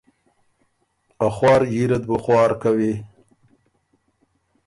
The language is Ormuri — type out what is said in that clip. ”ا خوار حیله ت بُو خوار کوی“